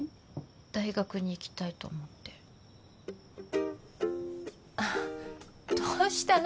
大学に行きたいと思ってあっどうしたの？